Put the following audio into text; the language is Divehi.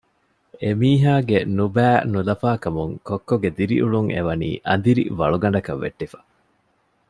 އެމީހާގެ ނުބައި ނުލަފާކަމުން ކޮއްކޮގެ ދިރިއުޅުން އެވަނީ އަނދިރި ވަޅުގަނޑަކަށް ވެއްޓިފަ